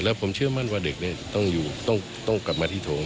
แล้วผมเชื่อมั่นว่าเด็กต้องอยู่ต้องกลับมาที่โถง